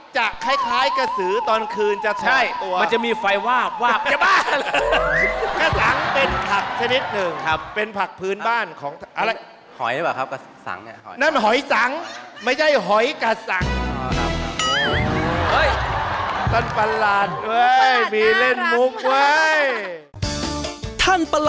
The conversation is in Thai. จะคล้ายกับสือตอนคืนจะถูกตัว